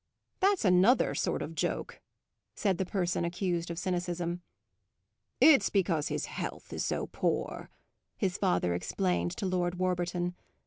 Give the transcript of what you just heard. "That's another sort of joke," said the person accused of cynicism. "It's because his health is so poor," his father explained to Lord Warburton.